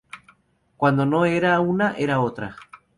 Cuando no era una era otra